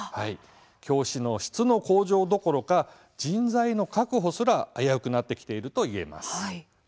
教師の質の向上どころか人材の確保すら危うくなってきているといえます。